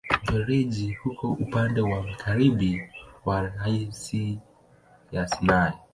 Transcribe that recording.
Mfereji uko upande wa magharibi wa rasi ya Sinai.